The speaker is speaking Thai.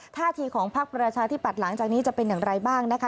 ท่าทีของพักประชาธิบัตย์หลังจากนี้จะเป็นอย่างไรบ้างนะคะ